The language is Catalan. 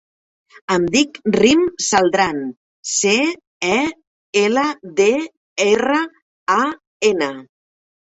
Em dic Rym Celdran: ce, e, ela, de, erra, a, ena.